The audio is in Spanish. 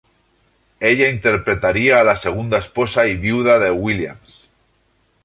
Ella interpretaría a la segunda esposa y viuda de Williams.